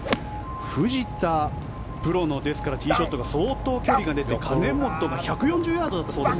藤田プロのティーショットが相当、距離が出て、兼本が１４０ヤードだったそうです。